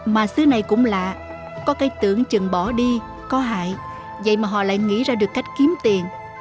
mà xứ này cũng lạ có cái tưởng chừng bỏ đi có hại vậy mà họ lại nghĩ ra được cách kiếm tiền